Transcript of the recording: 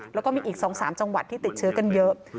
แล้วก็มีอีก๒๓จังหวัดที่ติดเชื้อกันเยอะ